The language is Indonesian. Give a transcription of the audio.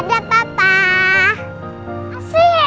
masih ke sekolah